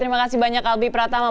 terima kasih banyak albi pratama